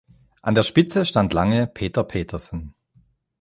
An der Spitze stand lange Peter Petersen.